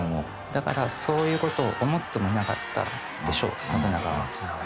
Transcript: だからそういう事を思ってもいなかったんでしょう信長は。